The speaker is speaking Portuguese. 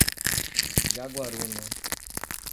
Jaguaruna